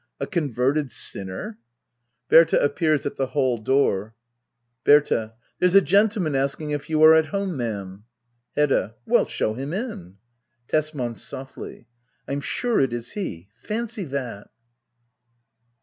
A converted sinner [Berta appears at the hall door, Berta. There's a gentleman asking if you are at home, ma'am Hedda. Well, show him in. Tesman. [Sofilif,] I'm sure it is he ! Fancy that